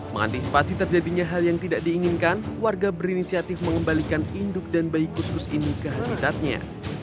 mengantisipasi terjadinya hal yang tidak diinginkan warga berinisiatif mengembalikan induk dan bayi kus kus ini ke habitatnya